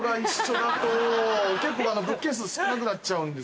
結構物件数少なくなっちゃうんですよ。